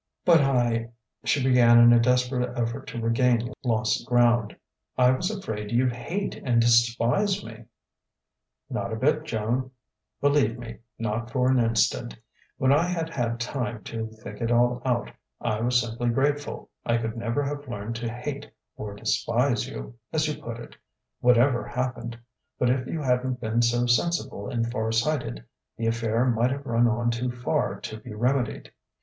"But I," she began in a desperate effort to regain lost ground "I was afraid you'd hate and despise me " "Not a bit, Joan believe me, not for an instant. When I had had time to think it all out, I was simply grateful. I could never have learned to hate or despise you as you put it whatever happened; but if you hadn't been so sensible and far sighted, the affair might have run on too far to be remedied.